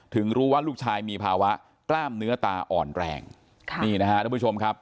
ถึงรู้ว่าลูกชายมีภาวะกล้ามเนื้อตาอ่อนแรงค่ะนี่นะฮะทุกผู้ชมครับ